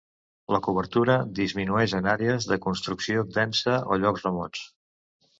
La cobertura disminueix en àrees de construcció densa o llocs remots.